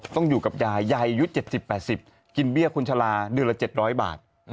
อยู่กับยายยายอายุ๗๐๘๐กินเบี้ยคุณชาลาเดือนละ๗๐๐บาท